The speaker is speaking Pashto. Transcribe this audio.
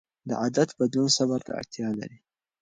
د عادت بدلون صبر ته اړتیا لري.